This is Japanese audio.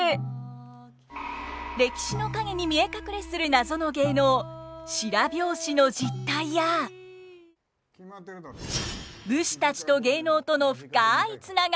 歴史の陰に見え隠れする謎の芸能白拍子の実態や武士たちと芸能との深いつながりに迫ります。